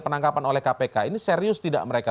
penangkapan oleh kpk ini serius tidak mereka